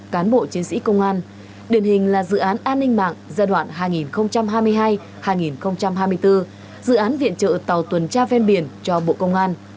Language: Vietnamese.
cán bộ chiến sĩ công an điển hình là dự án an ninh mạng giai đoạn hai nghìn hai mươi hai hai nghìn hai mươi bốn dự án viện trợ tàu tuần tra ven biển cho bộ công an